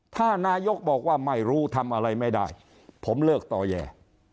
ถ้านายกบอกว่าไม่รู้ทำอะไรไม่ได้ผมเลิกต่อแย่